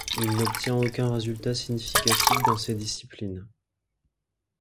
Il n'obtient aucun résultat significatif dans ces disciplines.